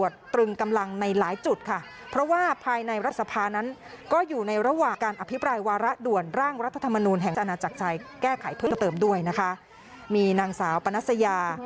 หลังจากนั้นก็มา